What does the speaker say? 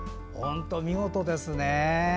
見事ですね。